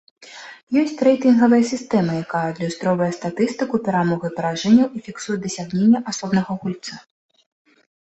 Ёсць рэйтынгавая сістэма, якая адлюстроўвае статыстыку перамог і паражэнняў і фіксуе дасягнення асобнага гульца.